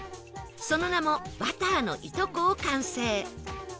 その名もバターのいとこを完成